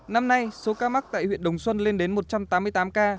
năm nay số ca mắc tại huyện đồng xuân lên đến một trăm tám mươi tám ca